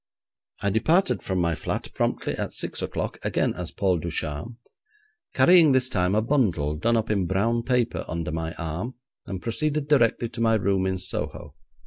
I departed from my flat promptly at six o'clock, again as Paul Ducharme, carrying this time a bundle done up in brown paper under my arm, and proceeded directly to my room in Soho.